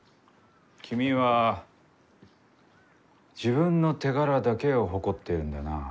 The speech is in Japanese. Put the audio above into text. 君は自分の手柄だけを誇っているんだな。